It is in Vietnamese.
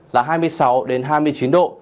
là hai mươi sáu hai mươi chín độ